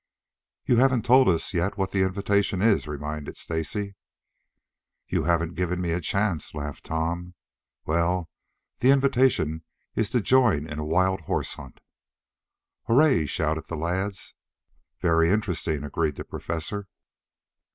"You haven't told us yet what the invitation is," reminded Stacy. "You haven't given me a chance," laughed Tom. "Well, the invitation is to join in a wild horse hunt." "Hooray!" shouted the lads. "Very interesting," agreed the Professor.